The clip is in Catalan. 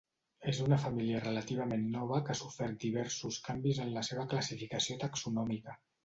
És una família relativament nova que ha sofert diversos canvis en la seva classificació taxonòmica.